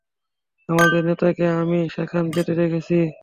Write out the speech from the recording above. আমাদের নেতাকে আমি সেখানে যেতে দেখেছি।